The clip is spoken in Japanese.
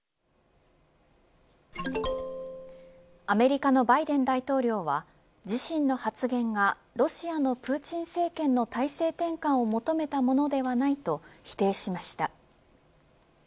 アメリカのバイデン大統領は自身の発言がロシアのプーチン政権の体制転換を求めたものではないと否定しました。